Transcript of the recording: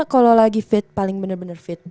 kalau lagi fit paling bener bener fit